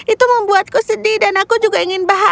itu membuatku sedih dan aku juga ingin bahagia